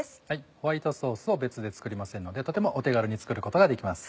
ホワイトソースを別で作りませんのでとてもお手軽に作ることができます。